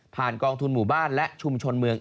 กองทุนหมู่บ้านและชุมชนเมือง